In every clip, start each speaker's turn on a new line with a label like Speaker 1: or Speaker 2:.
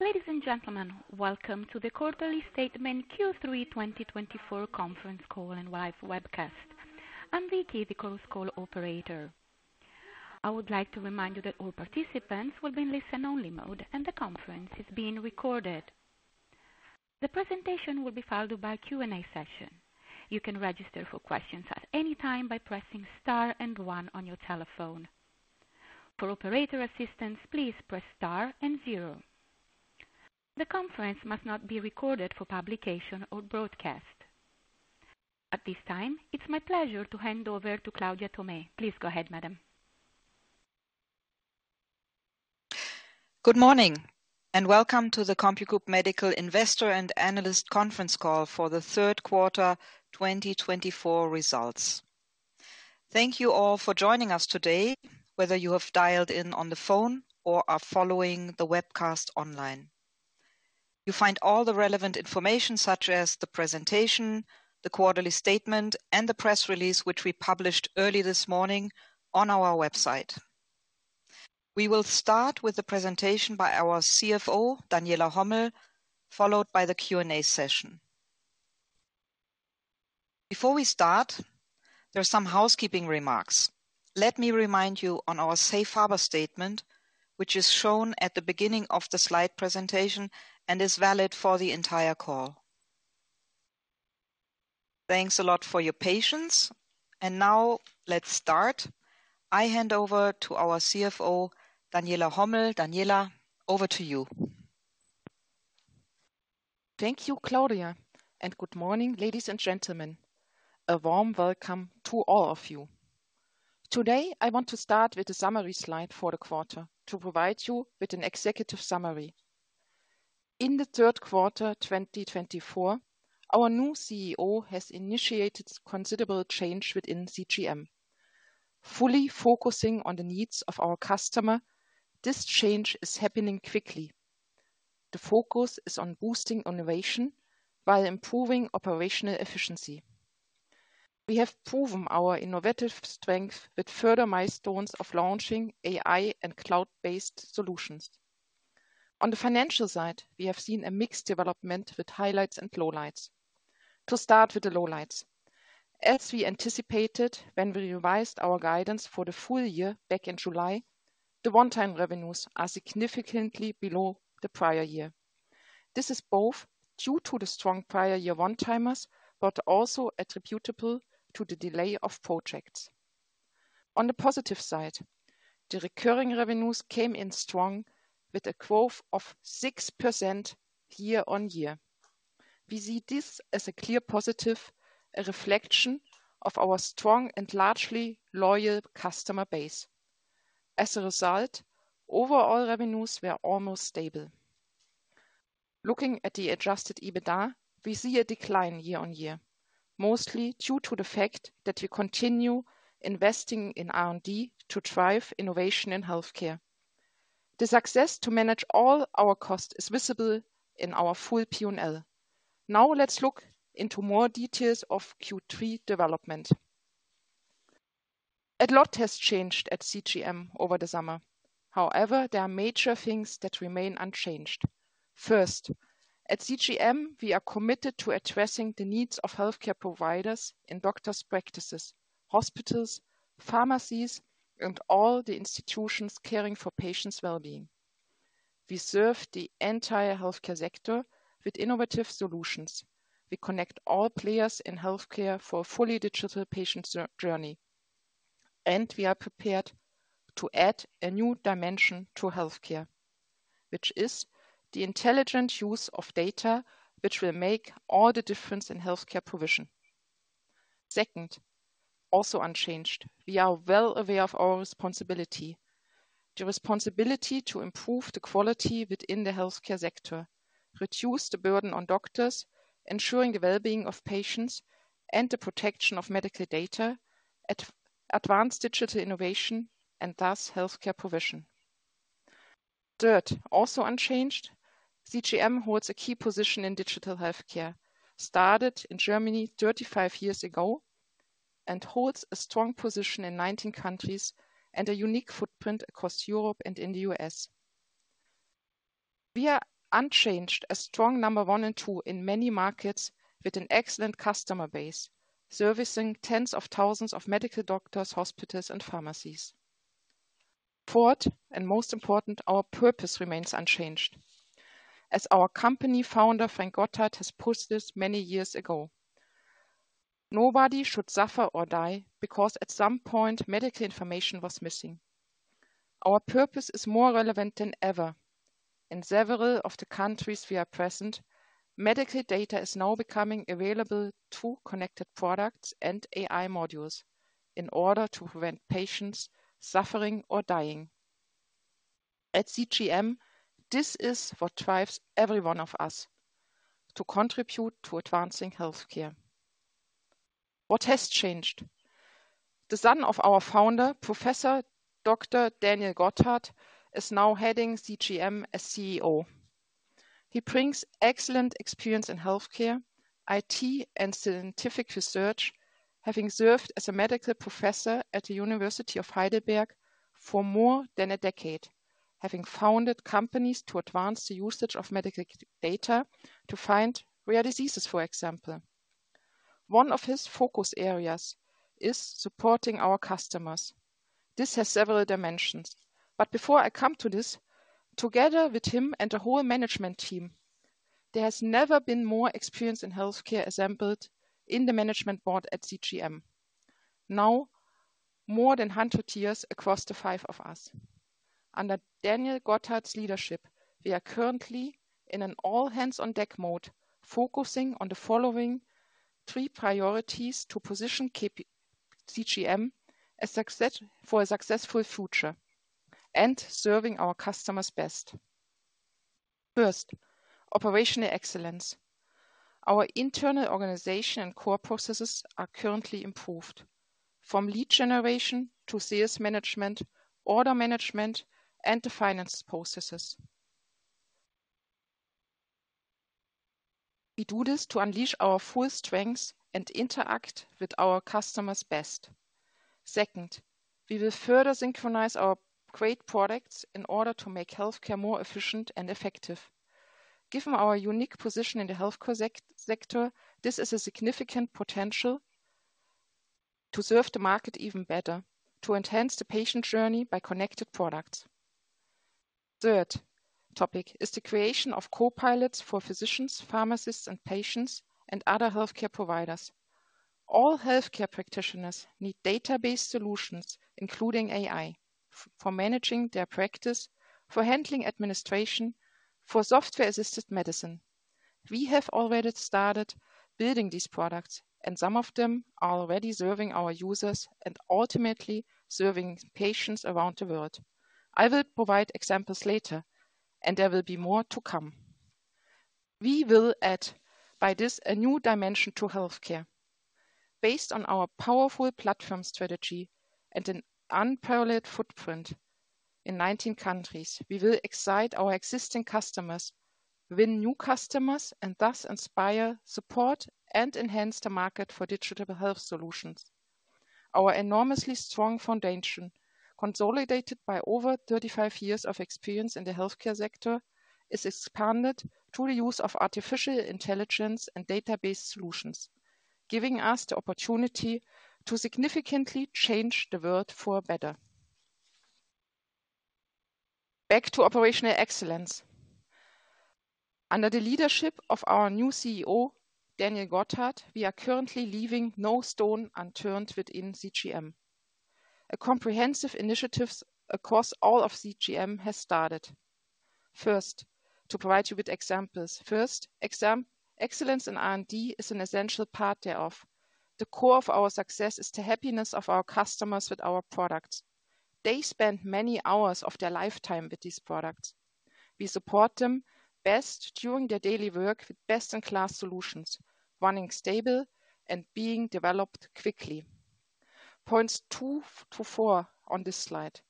Speaker 1: Ladies and gentlemen, welcome to the Quarterly Statement Q3 2024 Conference Call and Live Webcast. I'm Vicky, the call operator. I would like to remind you that all participants will be in listen-only mode, and the conference is being recorded. The presentation will be followed by a Q&A session. You can register for questions at any time by pressing star and one on your telephone. For operator assistance, please press star and zero. The conference must not be recorded for publication or broadcast. At this time, it's my pleasure to hand over to Claudia Thomé. Please go ahead, madam.
Speaker 2: Good morning, and welcome to the CompuGroup Medical Investor and Analyst Conference Call for the Third Quarter 2024 Results. Thank you all for joining us today, whether you have dialed in on the phone or are following the webcast online. You find all the relevant information, such as the presentation, the quarterly statement, and the press release, which we published early this morning on our website. We will start with the presentation by our CFO, Daniela Hommel, followed by the Q&A session. Before we start, there are some housekeeping remarks. Let me remind you of our Safe Harbor Statement, which is shown at the beginning of the slide presentation and is valid for the entire call. Thanks a lot for your patience. And now, let's start. I hand over to our CFO, Daniela Hommel. Daniela, over to you.
Speaker 3: Thank you, Claudia, and good morning, ladies and gentlemen. A warm welcome to all of you. Today, I want to start with a summary slide for the quarter to provide you with an executive summary. In the third quarter 2024, our new CEO has initiated considerable change within CGM. Fully focusing on the needs of our customers, this change is happening quickly. The focus is on boosting innovation while improving operational efficiency. We have proven our innovative strength with further milestones of launching AI and cloud-based solutions. On the financial side, we have seen a mixed development with highlights and lowlights. To start with the lowlights. As we anticipated when we revised our guidance for the full year back in July, the one-time revenues are significantly below the prior year. This is both due to the strong prior year one-timers, but also attributable to the delay of projects. On the positive side, the recurring revenues came in strong with a growth of 6% year on year. We see this as a clear positive, a reflection of our strong and largely loyal customer base. As a result, overall revenues were almost stable. Looking at the adjusted EBITDA, we see a decline year on year, mostly due to the fact that we continue investing in R&D to drive innovation in healthcare. The success to manage all our costs is visible in our full P&L. Now, let's look into more details of Q3 development. A lot has changed at CGM over the summer. However, there are major things that remain unchanged. First, at CGM, we are committed to addressing the needs of healthcare providers in doctors' practices, hospitals, pharmacies, and all the institutions caring for patients' well-being. We serve the entire healthcare sector with innovative solutions. We connect all players in healthcare for a fully digital patient journey. And we are prepared to add a new dimension to healthcare, which is the intelligent use of data, which will make all the difference in healthcare provision. Second, also unchanged, we are well aware of our responsibility. The responsibility to improve the quality within the healthcare sector, reduce the burden on doctors, ensuring the well-being of patients, and the protection of medical data, advance digital innovation, and thus healthcare provision. Third, also unchanged, CGM holds a key position in digital healthcare, started in Germany 35 years ago and holds a strong position in 19 countries and a unique footprint across Europe and in the U.S. We are unchanged, a strong number one and two in many markets with an excellent customer base, servicing tens of thousands of medical doctors, hospitals, and pharmacies. Fourth, and most important, our purpose remains unchanged, as our company founder, Frank Gotthardt, has posted many years ago. Nobody should suffer or die because at some point, medical information was missing. Our purpose is more relevant than ever. In several of the countries we are present, medical data is now becoming available through connected products and AI modules in order to prevent patients suffering or dying. At CGM, this is what drives every one of us to contribute to advancing healthcare. What has changed? The son of our founder, Professor Dr. Daniel Gotthardt, is now heading CGM as CEO. He brings excellent experience in healthcare, IT, and scientific research, having served as a medical professor at the University of Heidelberg for more than a decade, having founded companies to advance the usage of medical data to find rare diseases, for example. One of his focus areas is supporting our customers. This has several dimensions. But before I come to this, together with him and the whole management team, there has never been more experience in healthcare assembled in the management board at CGM. Now, more than 100 years across the five of us. Under Daniel Gotthardt's leadership, we are currently in an all-hands-on-deck mode, focusing on the following three priorities to position CGM for a successful future and serving our customers best. First, operational excellence. Our internal organization and core processes are currently improved, from lead generation to sales management, order management, and the finance processes. We do this to unleash our full strengths and interact with our customers best. Second, we will further synchronize our great products in order to make healthcare more efficient and effective. Given our unique position in the healthcare sector, this is a significant potential to serve the market even better, to enhance the patient journey by connected products. Third topic is the creation of co-pilots for physicians, pharmacists, and patients, and other healthcare providers. All healthcare practitioners need database solutions, including AI, for managing their practice, for handling administration, for software-assisted medicine. We have already started building these products, and some of them are already serving our users and ultimately serving patients around the world. I will provide examples later, and there will be more to come. We will add by this a new dimension to healthcare. Based on our powerful platform strategy and an unparalleled footprint in 19 countries, we will excite our existing customers, win new customers, and thus inspire, support, and enhance the market for digital health solutions. Our enormously strong foundation, consolidated by over 35 years of experience in the healthcare sector, is expanded through the use of artificial intelligence and database solutions, giving us the opportunity to significantly change the world for better. Back to operational excellence. Under the leadership of our new CEO, Daniel Gotthardt, we are currently leaving no stone unturned within CGM. A comprehensive initiative across all of CGM has started. First, to provide you with examples. First, excellence in R&D is an essential part thereof. The core of our success is the happiness of our customers with our products. They spend many hours of their lifetime with these products. We support them best during their daily work with best-in-class solutions, running stable and being developed quickly. Points two to four on this slide.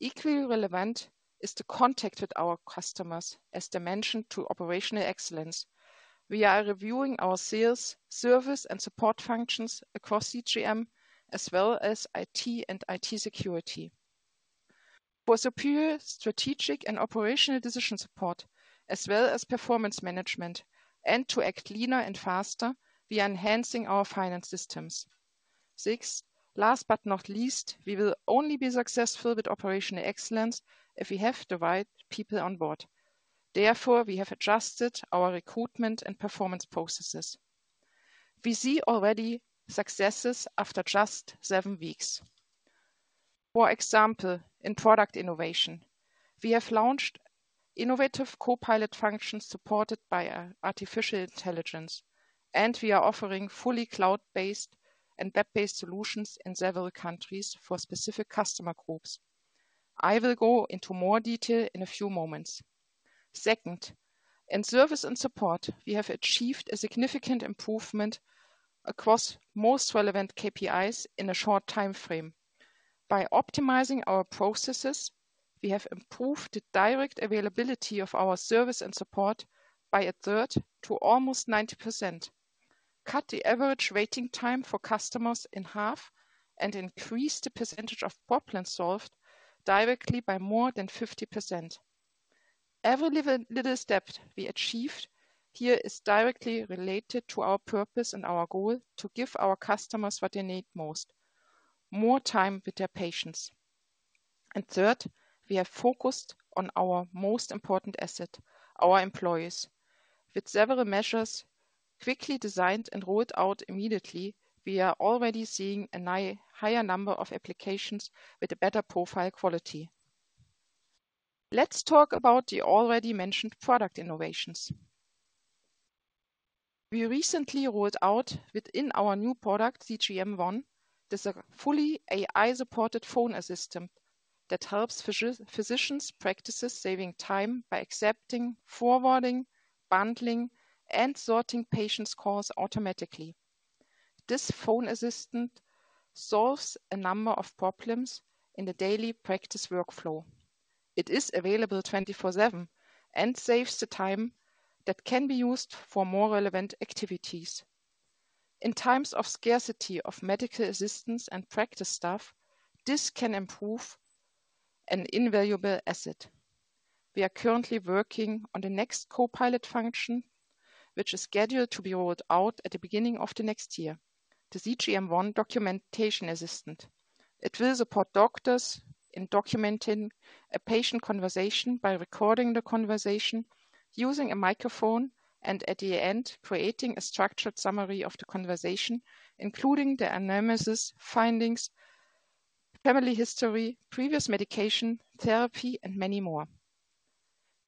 Speaker 3: Equally relevant is the contact with our customers as dimension to operational excellence. We are reviewing our sales, service, and support functions across CGM, as well as IT and IT security. For superior strategic and operational decision support, as well as performance management and to act leaner and faster, we are enhancing our finance systems. Sixth, last but not least, we will only be successful with operational excellence if we have the right people on board. Therefore, we have adjusted our recruitment and performance processes. We see already successes after just seven weeks. For example, in product innovation, we have launched innovative co-pilot functions supported by artificial intelligence, and we are offering fully cloud-based and web-based solutions in several countries for specific customer groups. I will go into more detail in a few moments. Second, in service and support, we have achieved a significant improvement across most relevant KPIs in a short time frame. By optimizing our processes, we have improved the direct availability of our service and support by a third to almost 90%, cut the average waiting time for customers in half, and increased the percentage of problems solved directly by more than 50%. Every little step we achieved here is directly related to our purpose and our goal to give our customers what they need most: more time with their patients. And third, we have focused on our most important asset, our employees. With several measures quickly designed and rolled out immediately, we are already seeing a higher number of applications with a better profile quality. Let's talk about the already mentioned product innovations. We recently rolled out within our new product, CGM ONE, this fully AI-supported phone assistant that helps physicians' practices save time by accepting, forwarding, bundling, and sorting patients' calls automatically. This phone assistant solves a number of problems in the daily practice workflow. It is available 24/7 and saves the time that can be used for more relevant activities. In times of scarcity of medical assistance and practice staff, this can improve an invaluable asset. We are currently working on the next Co-pilot function, which is scheduled to be rolled out at the beginning of the next year, the CGM ONE Documentation Assistant. It will support doctors in documenting a patient conversation by recording the conversation using a microphone and, at the end, creating a structured summary of the conversation, including the analysis, findings, family history, previous medication, therapy, and many more.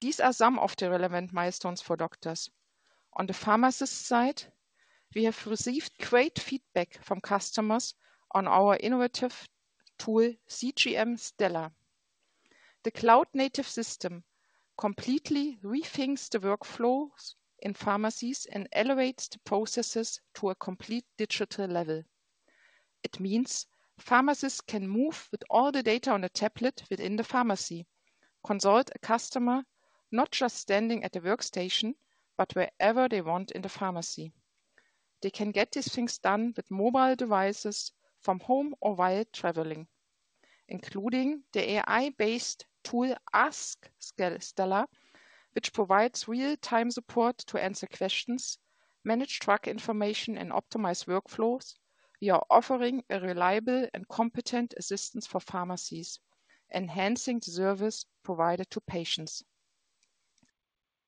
Speaker 3: These are some of the relevant milestones for doctors. On the pharmacist side, we have received great feedback from customers on our innovative tool, CGM STELLA. The cloud-native system completely rethinks the workflows in pharmacies and elevates the processes to a complete digital level. It means pharmacists can move with all the data on a tablet within the pharmacy, consult a customer not just standing at the workstation, but wherever they want in the pharmacy. They can get these things done with mobile devices from home or while traveling, including the AI-based tool Ask Stella, which provides real-time support to answer questions, manage track information, and optimize workflows. We are offering a reliable and competent assistance for pharmacies, enhancing the service provided to patients.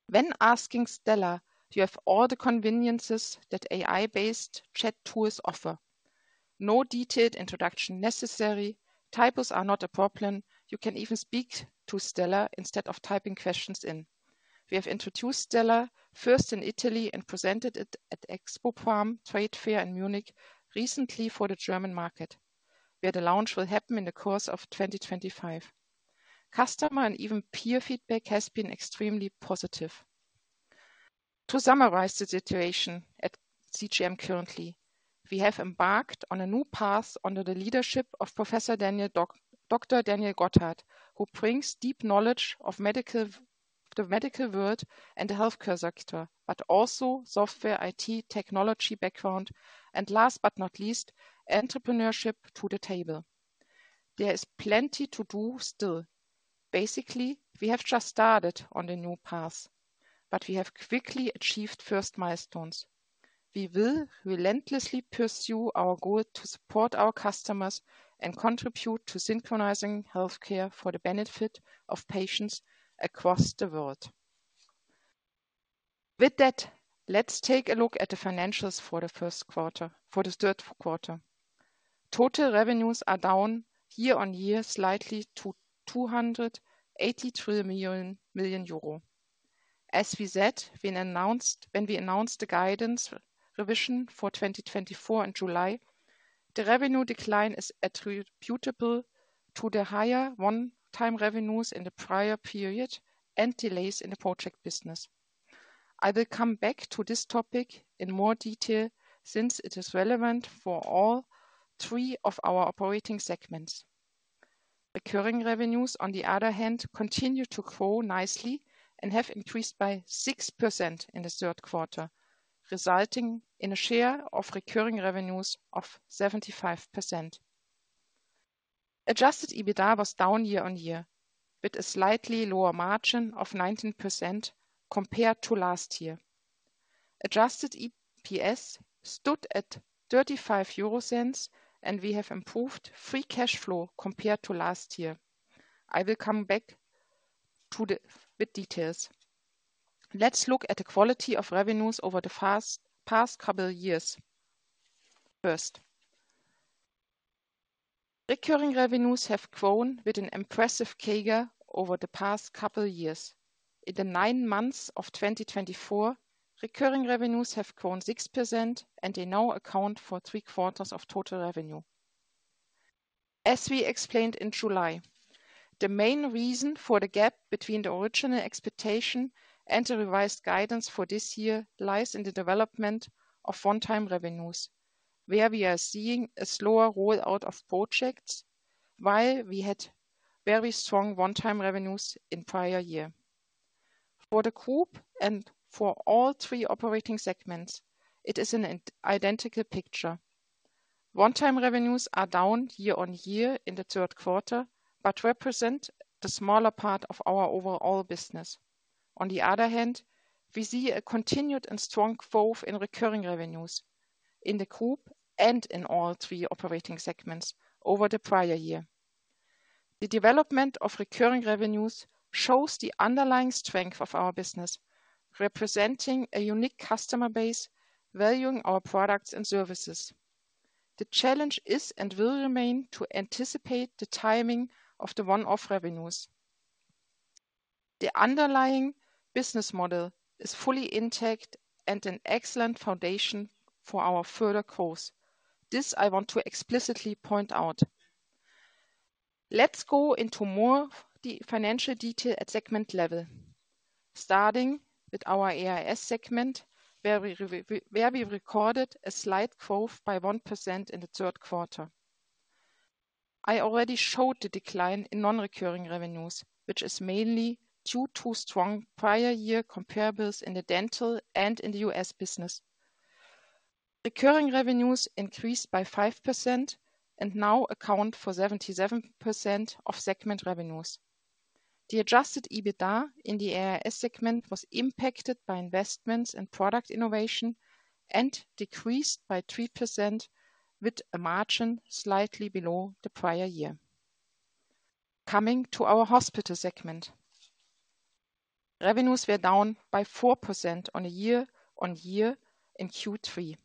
Speaker 3: When asking Stella, you have all the conveniences that AI-based chat tools offer. No detailed introduction necessary. Typos are not a problem. You can even speak to Stella instead of typing questions in. We have introduced Stella first in Italy and presented it at Expopharm Trade Fair in Munich recently for the German market, where the launch will happen in the course of 2025. Customer and even peer feedback has been extremely positive. To summarize the situation at CGM currently, we have embarked on a new path under the leadership of Professor Dr. Daniel Gotthardt, who brings deep knowledge of the medical world and the healthcare sector, but also software IT technology background, and last but not least, entrepreneurship to the table. There is plenty to do still. Basically, we have just started on the new path, but we have quickly achieved first milestones. We will relentlessly pursue our goal to support our customers and contribute to synchronizing healthcare for the benefit of patients across the world. With that, let's take a look at the financials for the first quarter, for the third quarter. Total revenues are down year on year slightly to 283 million euro. As we said, when we announced the guidance revision for 2024 in July, the revenue decline is attributable to the higher one-time revenues in the prior period and delays in the project business. I will come back to this topic in more detail since it is relevant for all three of our operating segments. Recurring revenues, on the other hand, continue to grow nicely and have increased by 6% in the third quarter, resulting in a share of recurring revenues of 75%. Adjusted EBITDA was down year on year with a slightly lower margin of 19% compared to last year. Adjusted EPS stood at 0.35, and we have improved free cash flow compared to last year. I will come back to the details. Let's look at the quality of revenues over the past couple of years. First. Recurring revenues have grown with an impressive CAGR over the past couple of years. In the nine months of 2024, recurring revenues have grown 6%, and they now account for three quarters of total revenue. As we explained in July, the main reason for the gap between the original expectation and the revised guidance for this year lies in the development of one-time revenues, where we are seeing a slower rollout of projects while we had very strong one-time revenues in the prior year. For the group and for all three operating segments, it is an identical picture. One-time revenues are down year on year in the third quarter, but represent the smaller part of our overall business. On the other hand, we see a continued and strong growth in recurring revenues in the group and in all three operating segments over the prior year. The development of recurring revenues shows the underlying strength of our business, representing a unique customer base valuing our products and services. The challenge is and will remain to anticipate the timing of the one-off revenues. The underlying business model is fully intact and an excellent foundation for our further growth. This I want to explicitly point out. Let's go into more financial detail at segment level, starting with our AIS segment, where we recorded a slight growth by 1% in the third quarter. I already showed the decline in non-recurring revenues, which is mainly due to strong prior year comparables in the dental and in the U.S. business. Recurring revenues increased by 5% and now account for 77% of segment revenues. The adjusted EBITDA in the AIS segment was impacted by investments and product innovation and decreased by 3% with a margin slightly below the prior year. Coming to our hospital segment, revenues were down by 4% on a year on year in Q3.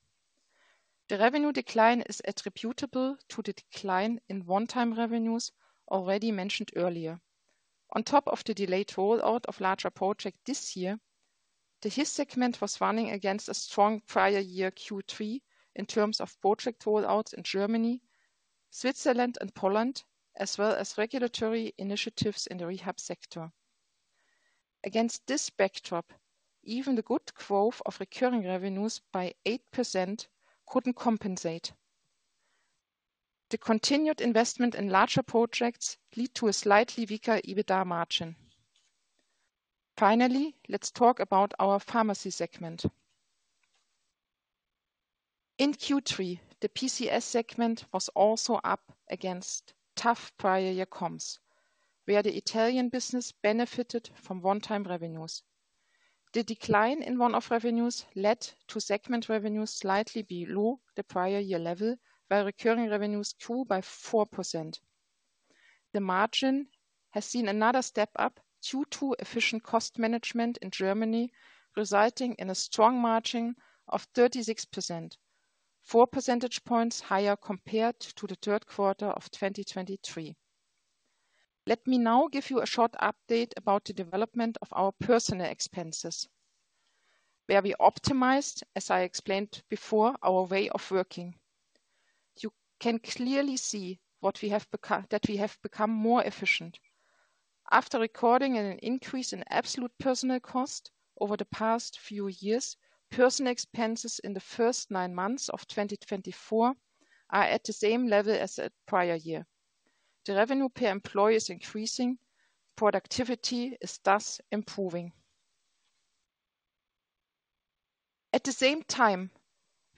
Speaker 3: The revenue decline is attributable to the decline in one-time revenues already mentioned earlier. On top of the delayed rollout of larger projects this year, the HIS segment was running against a strong prior year Q3 in terms of project rollouts in Germany, Switzerland, and Poland, as well as regulatory initiatives in the rehab sector. Against this backdrop, even the good growth of recurring revenues by 8% couldn't compensate. The continued investment in larger projects led to a slightly weaker EBITDA margin. Finally, let's talk about our pharmacy segment. In Q3, the PCS segment was also up against tough prior year comps, where the Italian business benefited from one-time revenues. The decline in one-off revenues led to segment revenues slightly below the prior year level, while recurring revenues grew by 4%. The margin has seen another step up due to efficient cost management in Germany, resulting in a strong margin of 36%, 4 percentage points higher compared to the third quarter of 2023. Let me now give you a short update about the development of our personnel expenses, where we optimized, as I explained before, our way of working. You can clearly see that we have become more efficient. After recording an increase in absolute personnel cost over the past few years, personnel expenses in the first nine months of 2024 are at the same level as the prior year. The revenue per employee is increasing. Productivity is thus improving. At the same time,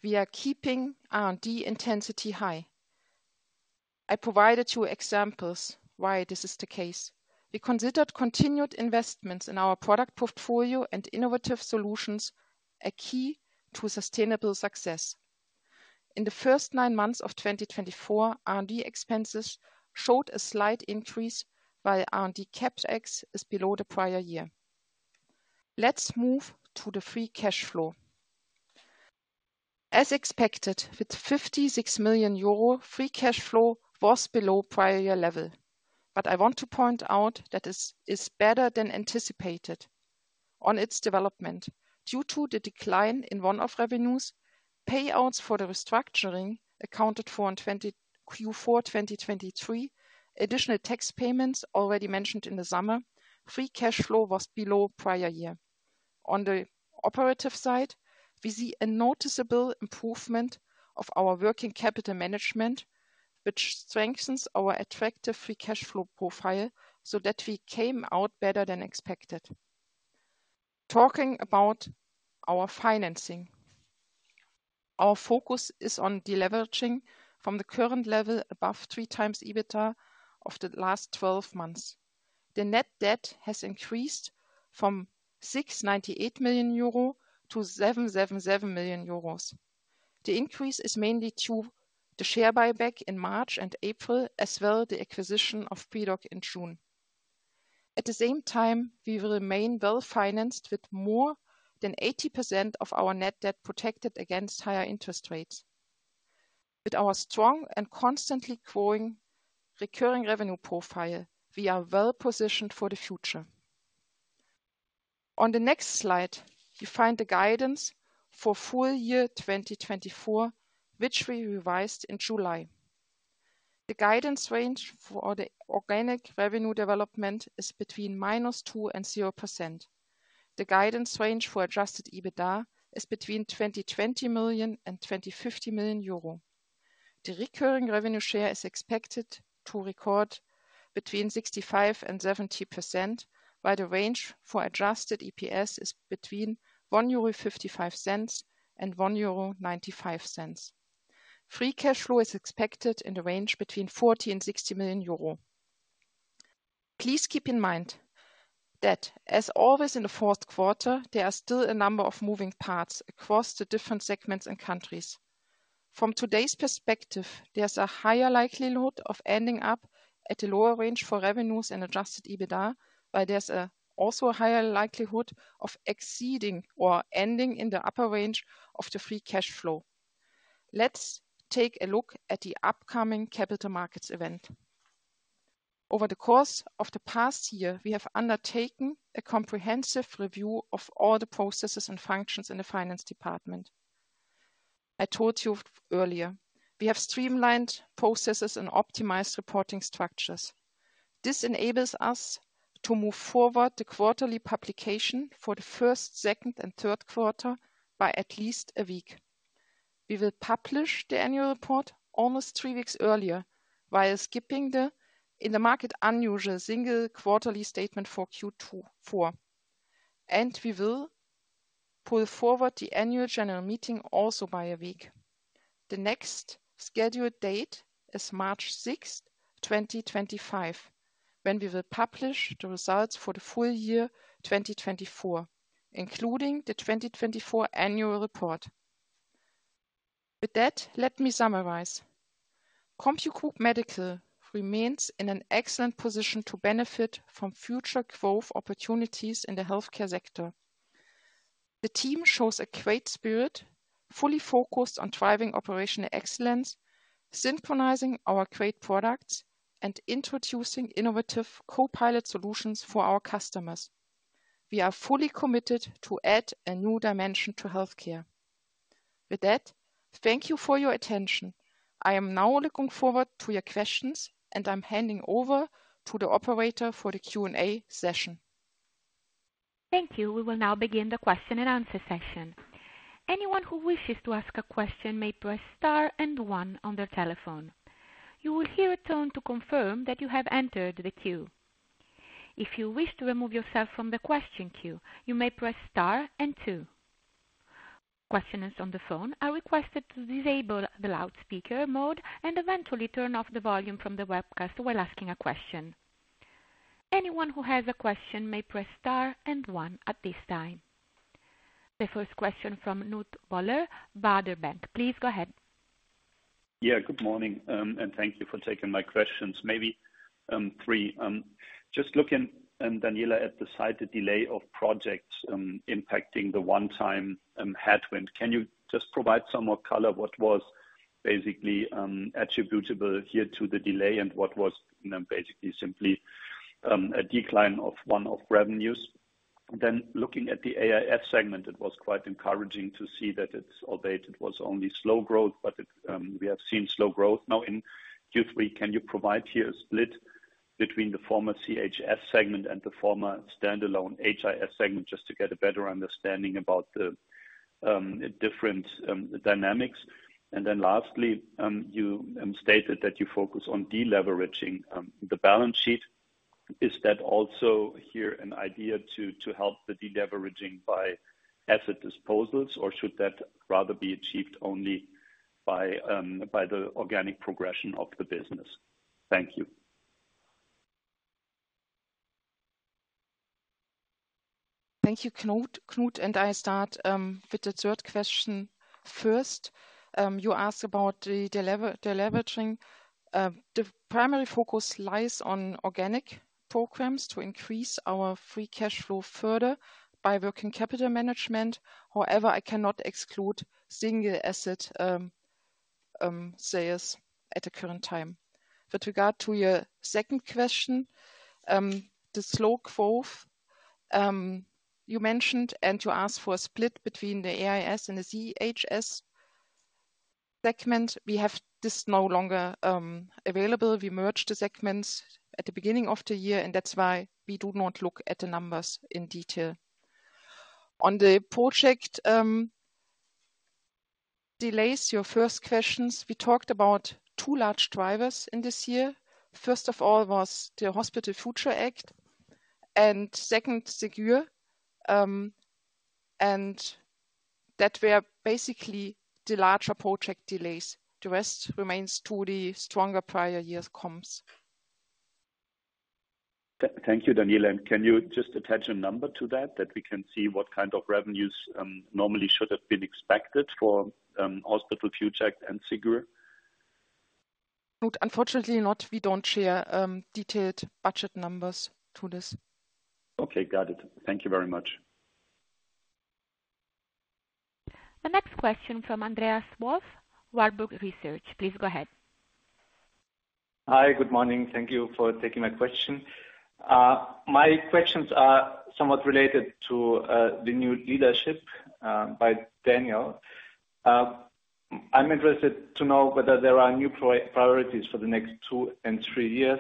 Speaker 3: we are keeping R&D intensity high. I provided you examples why this is the case. We considered continued investments in our product portfolio and innovative solutions a key to sustainable success. In the first nine months of 2024, R&D expenses showed a slight increase, while R&D CapEx is below the prior year. Let's move to the free cash flow. As expected, with 56 million euro, free cash flow was below prior year level, but I want to point out that it is better than anticipated on its development. Due to the decline in one-off revenues, payouts for the restructuring accounted for in Q4 2023, additional tax payments already mentioned in the summer. Free cash flow was below prior year. On the operative side, we see a noticeable improvement of our working capital management, which strengthens our attractive free cash flow profile so that we came out better than expected. Talking about our financing, our focus is on deleveraging from the current level above three times EBITDA of the last 12 months. The net debt has increased from 698 million euro to 777 million euros. The increase is mainly due to the share buyback in March and April, as well as the acquisition of PDOC in June. At the same time, we will remain well financed with more than 80% of our net debt protected against higher interest rates. With our strong and constantly growing recurring revenue profile, we are well positioned for the future. On the next slide, you find the guidance for full year 2024, which we revised in July. The guidance range for the organic revenue development is between -2% and 0%. The guidance range for adjusted EBITDA is between 2020 million and 2050 million euro. The recurring revenue share is expected to record between 65% and 70%, while the range for adjusted EPS is between 1.55 euro and 1.95 euro. Free cash flow is expected in the range between 40 million and 60 million euro. Please keep in mind that, as always in the fourth quarter, there are still a number of moving parts across the different segments and countries. From today's perspective, there's a higher likelihood of ending up at a lower range for revenues and adjusted EBITDA, while there's also a higher likelihood of exceeding or ending in the upper range of the free cash flow. Let's take a look at the upcoming capital markets event. Over the course of the past year, we have undertaken a comprehensive review of all the processes and functions in the finance department. I told you earlier, we have streamlined processes and optimized reporting structures. This enables us to move forward the quarterly publication for the first, second, and third quarter by at least a week. We will publish the annual report almost three weeks earlier, while skipping the, in the market, unusual single quarterly statement for Q4, and we will pull forward the annual general meeting also by a week. The next scheduled date is March 6, 2025, when we will publish the results for the full year 2024, including the 2024 annual report. With that, let me summarize. CompuGroup Medical remains in an excellent position to benefit from future growth opportunities in the healthcare sector. The team shows a great spirit, fully focused on driving operational excellence, synchronizing our great products, and introducing innovative Co-pilot solutions for our customers. We are fully committed to add a new dimension to healthcare. With that, thank you for your attention. I am now looking forward to your questions, and I'm handing over to the operator for the Q&A session.
Speaker 1: Thank you. We will now begin the question and answer session. Anyone who wishes to ask a question may press star and one on their telephone. You will hear a tone to confirm that you have entered the queue. If you wish to remove yourself from the question queue, you may press star and two. Questioners on the phone are requested to disable the loudspeaker mode and eventually turn off the volume from the webcast while asking a question. Anyone who has a question may press star and one at this time. The first question from Knut Woller, Baader Bank. Please go ahead.
Speaker 4: Yeah, good morning, and thank you for taking my questions. Maybe three. Just looking, Daniela, at the slight delay of projects impacting the one-time headwind. Can you just provide some more color? What was basically attributable here to the delay and what was basically simply a decline of one-off revenues? Then, looking at the AIS segment, it was quite encouraging to see that it's albeit it was only slow growth, but we have seen slow growth now in Q3. Can you provide here a split between the former CHS segment and the former standalone HIF segment just to get a better understanding about the different dynamics? And then lastly, you stated that you focus on deleveraging the balance sheet. Is that also here an idea to help the deleveraging by asset disposals, or should that rather be achieved only by the organic progression of the business? Thank you.
Speaker 3: Thank you, Knut. Knut and I start with the third question first. You asked about the deleveraging. The primary focus lies on organic programs to increase our free cash flow further by working capital management. However, I cannot exclude single asset sales at the current time. With regard to your second question, the slow growth you mentioned and you asked for a split between the AIS and the HIS segment. We have this no longer available. We merged the segments at the beginning of the year, and that's why we do not look at the numbers in detail. On the project delays, your first questions, we talked about two large drivers in this year. First of all was the Hospital Future Act and second, Ségur, and that were basically the larger project delays. The rest remains to the stronger prior year's comms. Thank you, Daniela. And can you just attach a number to that, that we can see what kind of revenues normally should have been expected for Hospital Future Act and Ségur? Unfortunately not. We don't share detailed budget numbers to this. Okay, got it. Thank you very much. The next question from Andreas Wolf, Warburg Research. Please go ahead. Hi, good morning. Thank you for taking my question. My questions are somewhat related to the new leadership by Daniel. I'm interested to know whether there are new priorities for the next two and three years.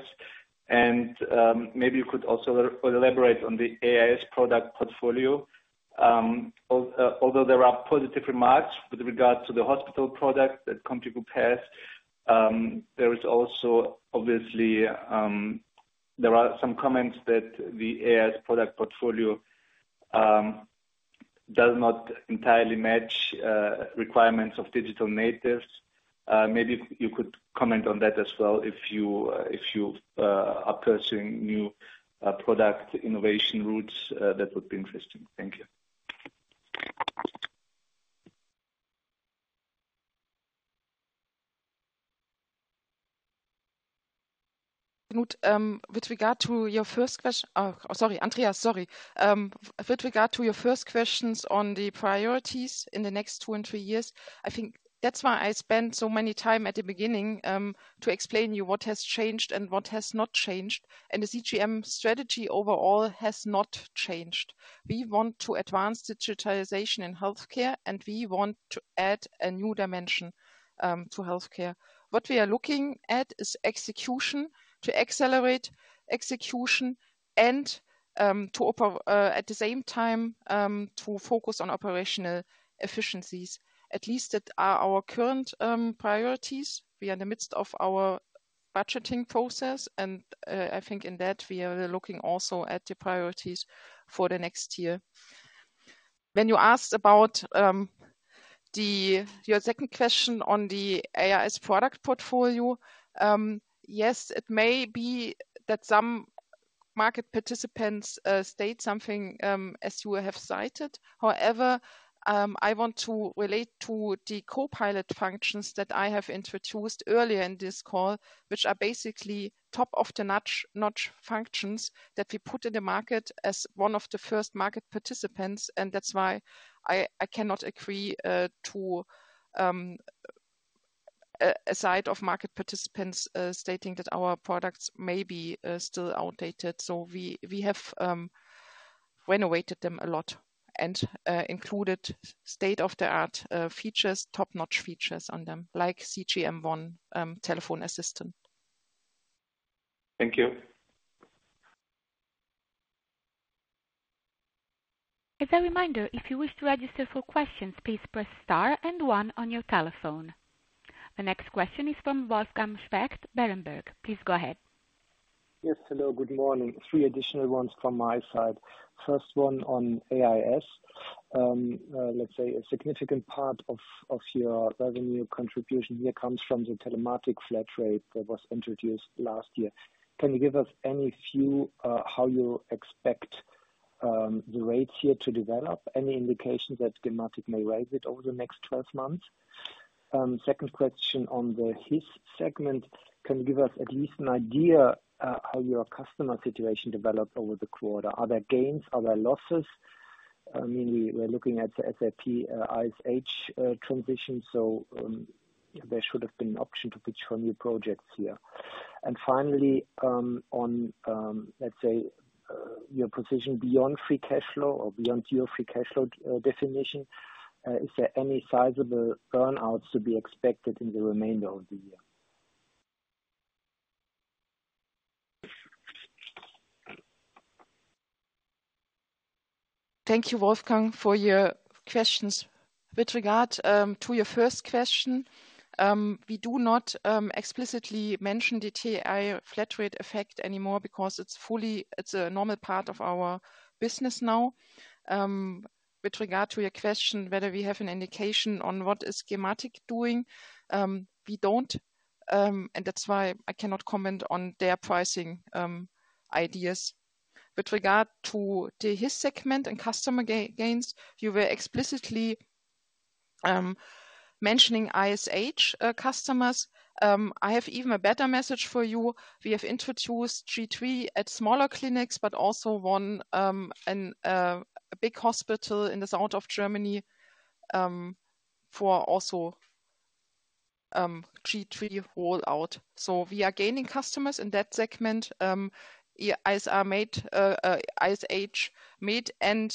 Speaker 3: Maybe you could also elaborate on the AIS product portfolio. Although there are positive remarks with regard to the hospital product that CompuGroup Medical has, there is also obviously some comments that the AIS product portfolio does not entirely match requirements of digital natives. Maybe you could comment on that as well if you are pursuing new product innovation routes. That would be interesting. Thank you. Knut, with regard to your first question sorry, Andreas, sorry. With regard to your first questions on the priorities in the next two and three years, I think that's why I spent so many time at the beginning to explain to you what has changed and what has not changed. And the CGM strategy overall has not changed. We want to advance digitalization in healthcare, and we want to add a new dimension to healthcare. What we are looking at is execution to accelerate execution and to, at the same time, to focus on operational efficiencies. At least that are our current priorities. We are in the midst of our budgeting process, and I think in that we are looking also at the priorities for the next year. When you asked about your second question on the AIS product portfolio, yes, it may be that some market participants state something as you have cited. However, I want to relate to the Co-pilot functions that I have introduced earlier in this call, which are basically top-notch functions that we put in the market as one of the first market participants, and that's why I cannot agree to a side of market participants stating that our products may be still outdated. So we have renovated them a lot and included state-of-the-art features, top-notch features on them, like CGM One telephone assistant.
Speaker 4: Thank you.
Speaker 1: As a reminder, if you wish to register for questions, please press star and one on your telephone. The next question is from Wolfgang Specht, Berenberg. Please go ahead.
Speaker 5: Yes, hello, good morning. Three additional ones from my side. First one on AIS. Let's say a significant part of your revenue contribution here comes from the Telematics flat rate that was introduced last year. Can you give us any view how you expect the rates here to develop? Any indication that Gematik may raise it over the next 12 months? Second question on the HIS segment. Can you give us at least an idea how your customer situation developed over the quarter? Are there gains? Are there losses? I mean, we're looking at the SAP IS-H transition, so there should have been an option to pitch for new projects here. And finally, on, let's say, your position beyond free cash flow or beyond your free cash flow definition, is there any sizable earnouts to be expected in the remainder of the year?
Speaker 3: Thank you, Wolfgang, for your questions. With regard to your first question, we do not explicitly mention the TI flat rate effect anymore because it's a normal part of our business now. With regard to your question whether we have an indication on what is Gematik doing, we don't, and that's why I cannot comment on their pricing ideas. With regard to the HIS segment and customer gains, you were explicitly mentioning IS-H customers. I have even a better message for you. We have introduced G3 at smaller clinics, but also one in a big hospital in the south of Germany for also G3 rollout. So we are gaining customers in that segment. IS-H med and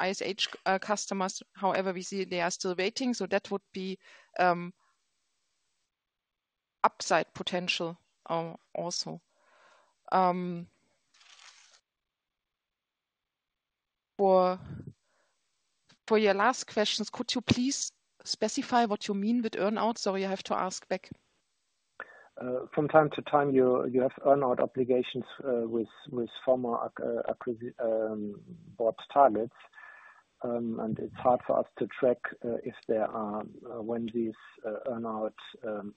Speaker 3: IS-H customers, however, we see they are still waiting, so that would be upside potential also. For your last questions, could you please specify what you mean with earnouts? Sorry, I have to ask back.
Speaker 5: From time to time, you have earnout obligations with former board targets, and it's hard for us to track if there are when these earnout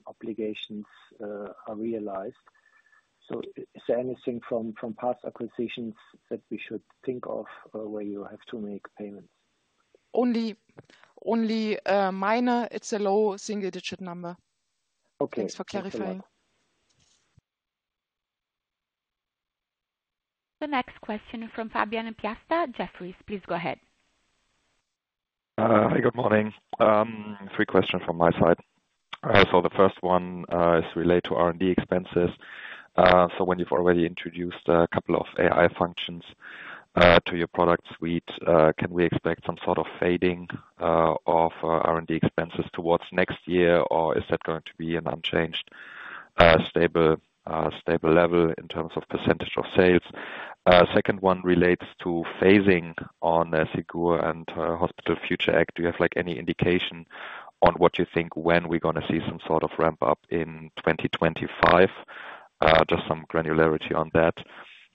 Speaker 5: obligations are realized. So is there anything from past acquisitions that we should think of where you have to make payments?
Speaker 3: Only minor. It's a low single-digit number. Thanks for clarifying.
Speaker 1: The next question is from Fabian Piasta, Jefferies. Please go ahead. Hi, good morning. Three questions from my side. So the first one is related to R&D expenses. So when you've already introduced a couple of AI functions to your product suite, can we expect some sort of fading of R&D expenses towards next year, or is that going to be an unchanged, stable level in terms of percentage of sales? Second one relates to phasing on Ségur and Hospital Future Act. Do you have any indication on what you think when we're going to see some sort of ramp-up in 2025? Just some granularity on that.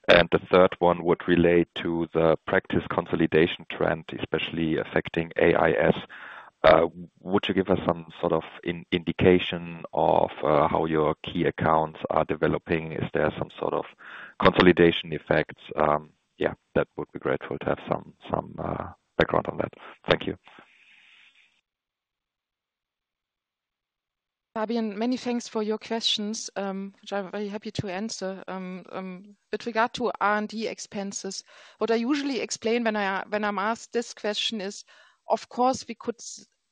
Speaker 1: And the third one would relate to the practice consolidation trend, especially affecting AIS. Would you give us some sort of indication of how your key accounts are developing? Is there some sort of consolidation effects? Yeah, that would be great to have some background on that. Thank you.
Speaker 3: Fabian, many thanks for your questions, which I'm very happy to answer. With regard to R&D expenses, what I usually explain when I'm asked this question is, of course, we could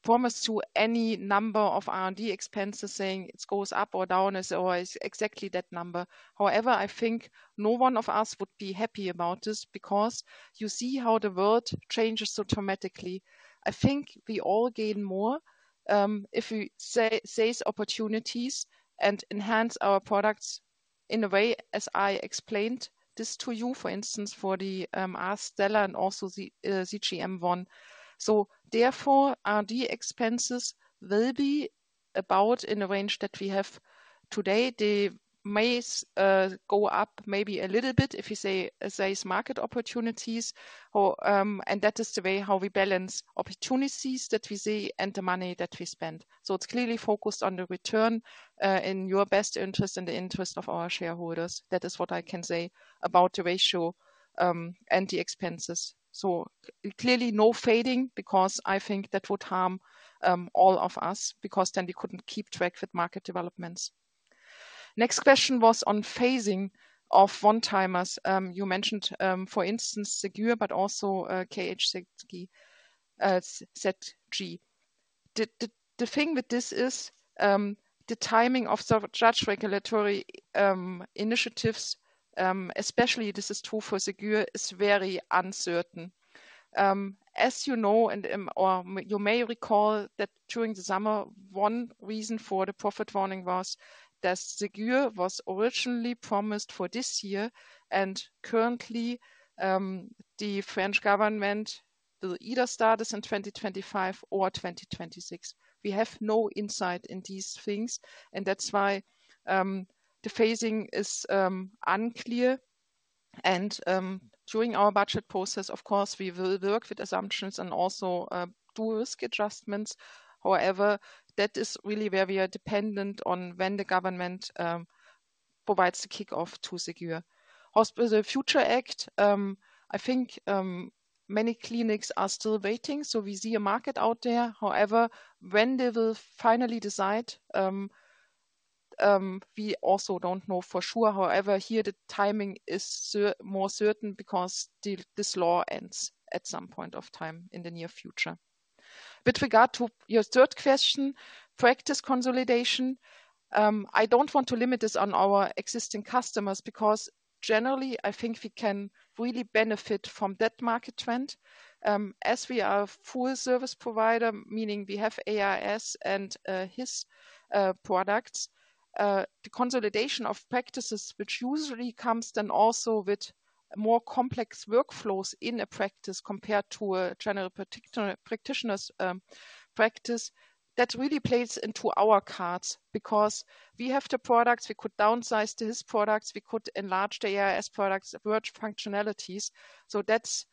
Speaker 3: promise you any number of R&D expenses saying it goes up or down or is exactly that number. However, I think no one of us would be happy about this because you see how the world changes so dramatically. I think we all gain more if we size opportunities and enhance our products in a way, as I explained this to you, for instance, for the Stella and also the CGM One. So therefore, R&D expenses will be about in the range that we have today. They may go up maybe a little bit if you say size market opportunities, and that is the way how we balance opportunities that we see and the money that we spend. So it's clearly focused on the return in your best interest and the interest of our shareholders. That is what I can say about the ratio and the expenses. So clearly no fading because I think that would harm all of us because then we couldn't keep track with market developments. Next question was on phasing of one-timers. You mentioned, for instance, Ségur, but also KHZG. The thing with this is the timing of such regulatory initiatives, especially this is true for Ségur, is very uncertain. As you know, and you may recall that during the summer, one reason for the profit warning was that Ségur was originally promised for this year, and currently, the French government will either start this in 2025 or 2026. We have no insight in these things, and that's why the phasing is unclear. During our budget process, of course, we will work with assumptions and also do risk adjustments. However, that is really where we are dependent on when the government provides the kickoff to Ségur. Hospital Future Act, I think many clinics are still waiting, so we see a market out there. However, when they will finally decide, we also don't know for sure. However, here, the timing is more certain because this law ends at some point of time in the near future. With regard to your third question, practice consolidation, I don't want to limit this on our existing customers because generally, I think we can really benefit from that market trend. As we are a full-service provider, meaning we have AIS and HIS products, the consolidation of practices which usually comes then also with more complex workflows in a practice compared to a general practitioner's practice, that really plays into our cards because we have the products. We could downsize the HIS products. We could enlarge the AIS products, the merged functionalities. So that's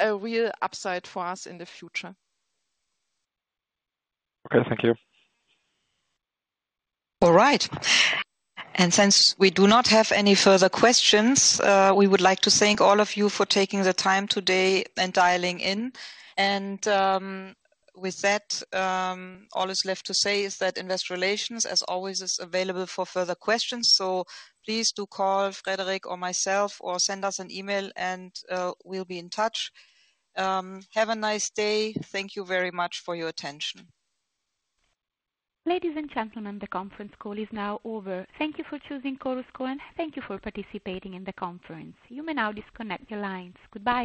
Speaker 3: a real upside for us in the future.
Speaker 6: Okay, thank you.
Speaker 2: All right. And since we do not have any further questions, we would like to thank all of you for taking the time today and dialing in. And with that, all is left to say is that Investor Relations, as always, is available for further questions. So please do call Frederic or myself or send us an email, and we'll be in touch. Have a nice day. Thank you very much for your attention.
Speaker 1: Ladies and gentlemen, the conference call is now over. Thank you for choosing Chorus Call, and thank you for participating in the conference. You may now disconnect your lines. Goodbye.